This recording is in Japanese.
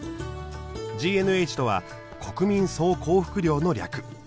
ＧＮＨとは「国民総幸福量」の略。